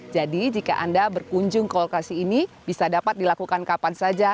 jadi jika anda berkunjung ke lokasi ini bisa dapat dilakukan kapan saja